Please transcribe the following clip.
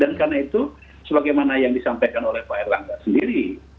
karena itu sebagaimana yang disampaikan oleh pak erlangga sendiri